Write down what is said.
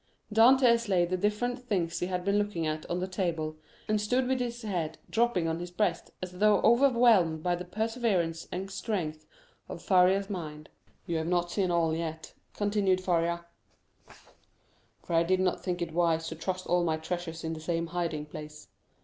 Dantès laid the different things he had been looking at on the table, and stood with his head drooping on his breast, as though overwhelmed by the perseverance and strength of Faria's mind. 0215m "You have not seen all yet," continued Faria, "for I did not think it wise to trust all my treasures in the same hiding place.